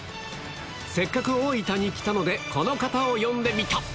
せっかく大分に来たので、この方を呼んでみた。